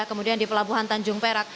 kemudian di pelabuhan tanjung perak